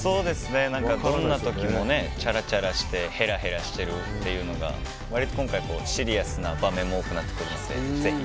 どんな時もチャラチャラしてへらへらしてるっていうのが割と今回シリアスな場面も多くなってくるので、ぜひ。